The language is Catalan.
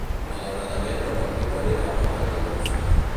Malauradament, el matrimoni va acabar en divorci.